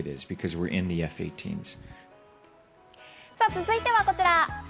続いてはこちら。